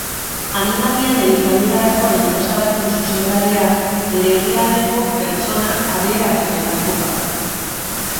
Animalien elikadurarako enpresa baten zuzendaria, bere herrialdeko pertsona aberatsenetako bat.